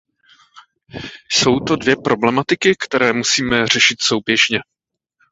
Jsou to dvě problematiky, které musíme řešit souběžně.